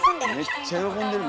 めっちゃ喜んでる。